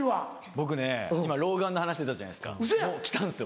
僕ね今老眼の話出たじゃないですか来たんですよ